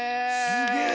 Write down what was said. すげえ！